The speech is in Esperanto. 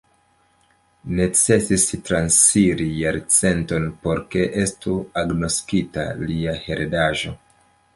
Necesis transiri jarcenton por ke estu agnoskita lia heredaĵo.